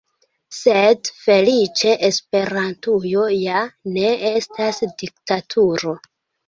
Sed feliĉe Esperantujo ja ne estas diktaturo.